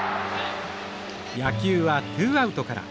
「野球はツーアウトから」。